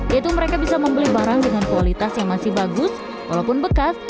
yaitu mereka bisa membeli barang dengan kualitas yang masih bagus walaupun bekas